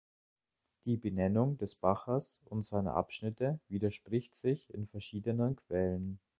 Die Benennung des Baches und seiner Abschnitte widerspricht sich in verschiedenen Quellen.